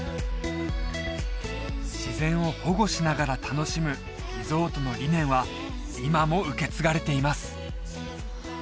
自然を保護しながら楽しむリゾートの理念は今も受け継がれています